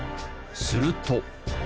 すると。